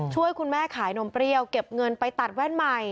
ช่วยคุณแม่ขายนมเปรี้ยวเก็บเงินไปตัดแว่นใหม่